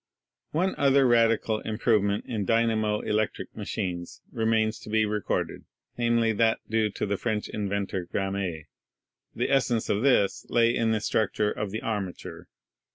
One other radical improvement in dynamo electric ma chines remains to be recorded, namely, that due to the French inventor Gramme. The essence of this lay in the structure of the armature.